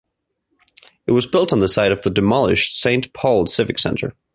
It was built on the site of the demolished Saint Paul Civic Center.